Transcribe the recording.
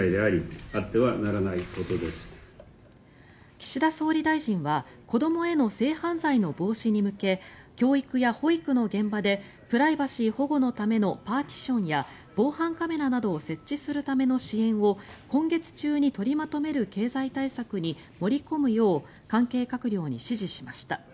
岸田総理大臣は子どもへの性犯罪の防止に向け教育や保育の現場でプライバシー保護のためのパーティションや防犯カメラなどを設置するための支援を今月中に取りまとめる経済対策に盛り込むよう関係閣僚に指示しました。